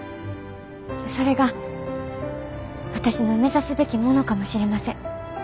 それが私の目指すべきものかもしれません。